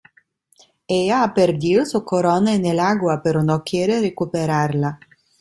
Ella ha perdido su corona en el agua, pero no quiere recuperarla.